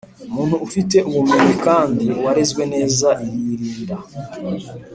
umuntu ufite ubumenyi kandi warezwe neza yirinda.